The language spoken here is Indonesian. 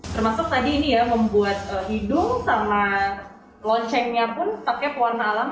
termasuk tadi ini ya membuat hidung sama loncengnya pun pakai pewarna alam